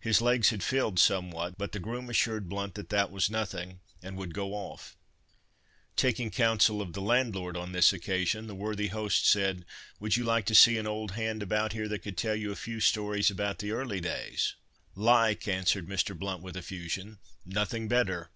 His legs had filled somewhat, but the groom assured Blount that that was nothing, and would go off. Taking counsel of the landlord on this occasion, that worthy host said, "Would you like to see an old hand about here that could tell you a few stories about the early days?" "Like?" answered Mr. Blount with effusion, "nothing better."